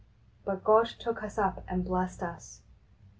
But God took us up and blessed us.